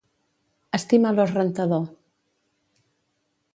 Estima l'os rentador.